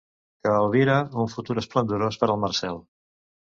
Que albira un futur esplendorós per al Marcel.